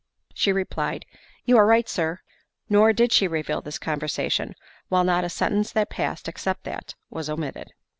She replied, "You are right, Sir." Nor did she reveal this conversation, while not a sentence that passed except that, was omitted.